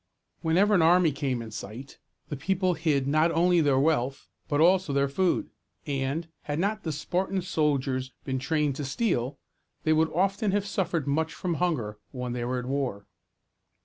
Whenever an army came in sight, the people hid not only their wealth, but also their food; and, had not the Spartan soldiers been trained to steal, they would often have suffered much from hunger when they were at war.